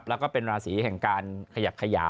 หนูหน่อยน่ะ